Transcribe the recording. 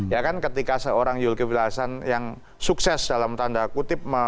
ya kan ketika seorang zulkifli hasan yang sukses dalam tanda kutip